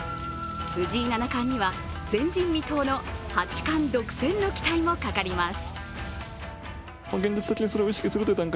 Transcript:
藤井七冠には前人未到の八冠独占の期待もかかります。